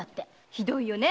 ひどいよね。